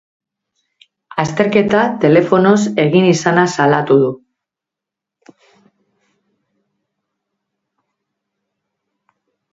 Azterketa telefonoz egin izana salatu du.